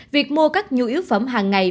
việc mua các nhu yếu phẩm hàng ngày